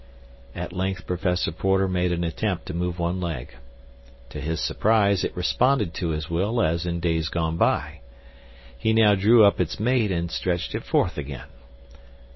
At length Professor Porter made an attempt to move one leg. To his surprise, it responded to his will as in days gone by. He now drew up its mate and stretched it forth again.